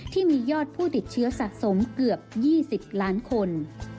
ที่มียอดผู้ติดเชื้อสะสมเกือบ๒๐ล้านคน